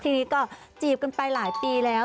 ทีนี้ก็จีบกันไปหลายปีแล้ว